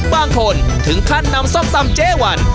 บางคนถึงขั้นนำส้มตำเจ๊วัน